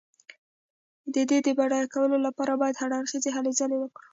د دې د بډای کولو لپاره باید هر اړخیزې هلې ځلې وکړو.